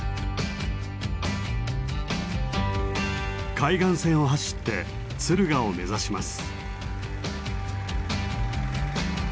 海岸線を走って敦賀を目指します。